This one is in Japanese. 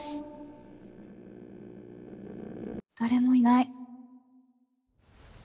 誰もいない。